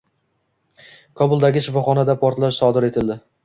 Kobuldagi shifoxonada portlash sodir etildi